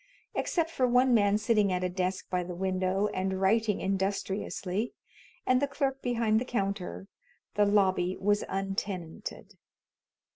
Except for one man sitting at a desk by the window and writing industriously, and the clerk behind the counter, the lobby was untenanted.